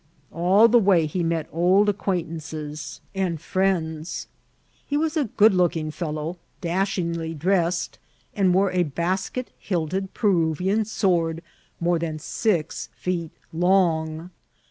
All the way he met old acquaintances S68 INCIDENTS OF TRAYEL. and friends. He was a good looking fellow, daaiung ly dressed, and wore a basket bilted PeniYian swcnrd more than six feet long.